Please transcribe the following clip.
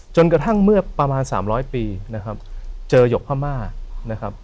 จนกระทั่งเมื่อประมาณ๓๐๐ปีนะครับเจอหยกพม่านะครับ